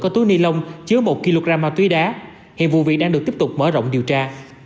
có túi ni lông chứa một kg ma túy đá hiện vụ việc đang được tiếp tục mở rộng điều tra